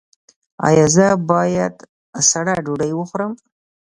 ایا زه باید سړه ډوډۍ وخورم؟